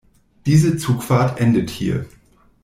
Diese Zugfahrt endet hier.